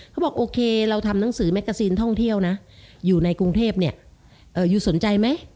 เขาบอกโอเคเราทำหนังสือแกซีนท่องเที่ยวนะอยู่ในกรุงเทพเนี่ยยูสนใจไหม